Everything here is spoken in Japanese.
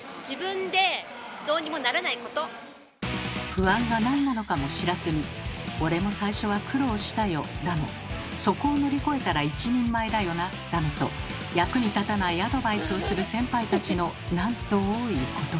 不安が何なのかも知らずに「俺も最初は苦労したよ」だの「そこを乗り越えたら一人前だよな」だのと役に立たないアドバイスをする先輩たちのなんと多いことか。